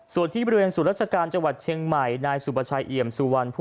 ส่วนที่บริเวณศูนย์ราชกาลเชียงใหม่นสุบัชชัยเอ๋ยมซูวัล